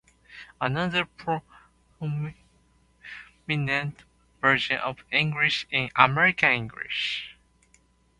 Another prominent version of English is American English.